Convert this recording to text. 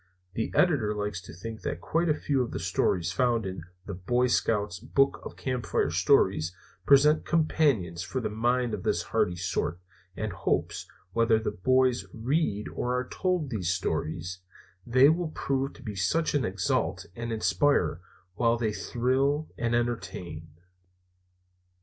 The Editor likes to think that quite a few of the stories found in the Boy Scouts Book of Campfire Stories present companions for the mind of this hardy sort, and hopes, whether boys read or are told these stories, they will prove to be such as exalt and inspire while they thrill and entertain.